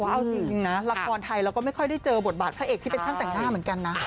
เอาจริงนะละครไทยเราก็ไม่ค่อยได้เจอบทบาทพระเอกที่เป็นช่างแต่งหน้าเหมือนกันนะ